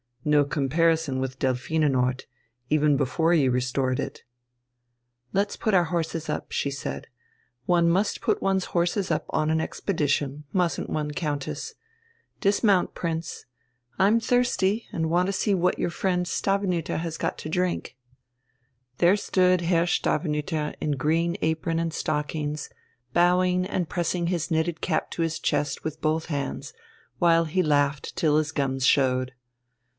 No comparison with Delphinenort, even before you restored it " "Let's put our horses up," she said. "One must put one's horses up on an expedition, mustn't one, Countess? Dismount, Prince. I'm thirsty, and want to see what your friend Stavenüter has got to drink." There stood Herr Stavenüter in green apron and stockings, bowing and pressing his knitted cap to his chest with both hands, while he laughed till his gums showed.